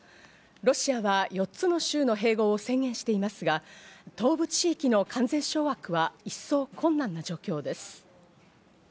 ロシアは４つの州の併合を宣言していますが、東部地域の完全掌握は一層困難な状況です。